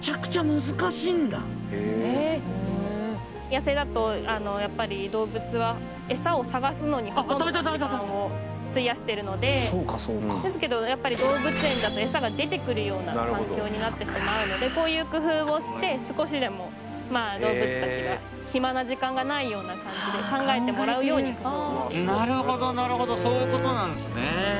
野生だとやっぱり動物はエサを探すのにああ食べた食べた食べた時間を費やしてるのでですけどやっぱり動物園だとエサが出てくるような環境になってしまうのでこういう工夫をして少しでもまあ動物たちが暇な時間がないような感じで考えてもらうように・なるほどなるほどそういうことなんですね